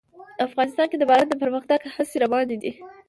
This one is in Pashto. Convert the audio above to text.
افغانستان کې د باران د پرمختګ هڅې روانې دي.